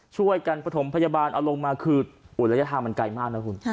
ช่วยกันประถมพยาบาลเอาลงมาคือระยะทางมันไกลมากนะคุณ